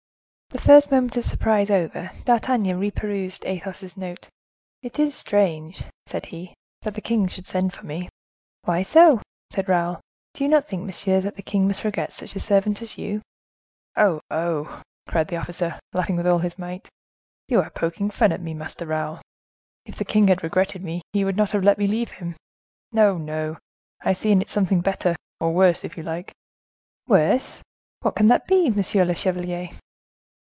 The first moment of surprise over, D'Artagnan reperused Athos's note. "It is strange," said he, "that the king should send for me." "Why so?" said Raoul; "do you not think, monsieur, that the king must regret such a servant as you?" "Oh, oh!" cried the officer, laughing with all his might; "you are poking fun at me, Master Raoul. If the king had regretted me, he would not have let me leave him. No, no; I see in it something better, or worse, if you like." "Worse! What can that be, monsieur le chevalier?"